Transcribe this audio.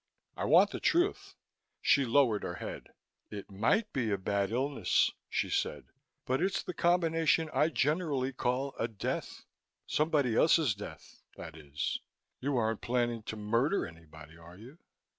"I want the truth." She lowered her head. "It might be a bad illness," she said, "but it's the combination I generally call a death somebody else's death, that is. You aren't planning to murder anybody, are you?"